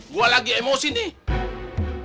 gua lagi emosi nih